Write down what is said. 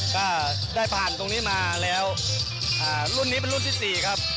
ก็ได้ผ่านตรงนี้มาแล้วรุ่นนี้เป็นรุ่นที่๔ครับ